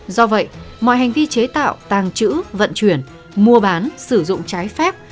do vậy mọi hành vi chế tạo tàng trữ vận chuyển mua bán sử dụng trái phép